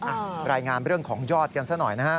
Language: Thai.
อ้าวรายงานเรื่องของยอดกันอีกสักหน่อยนะค่ะ